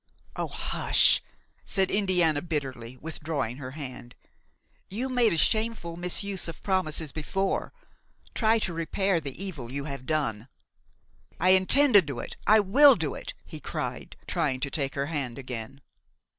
"Oh! hush!" said Indiana bitterly, withdrawing her hand; "you made a shameful misuse of promises before; try to repair the evil you have done!" "I intend to do it; I will do it!" he cried, trying to take her hand again.